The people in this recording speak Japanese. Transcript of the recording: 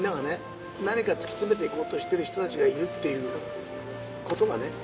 何か突き詰めていこうとしてる人たちがいるってことが。